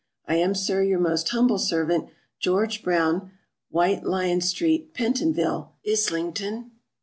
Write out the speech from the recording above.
I am, SIR, your most humble servant, GEORGE BROWN. White Lion street, Pentonville, Islington, Oct. 16, 1793.